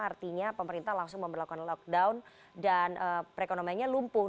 artinya pemerintah langsung memperlakukan lockdown dan perekonomiannya lumpuh